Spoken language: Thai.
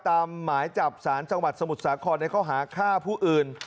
หมายจับสารจังหวัดสมุทรสาครในข้อหาฆ่าผู้อื่น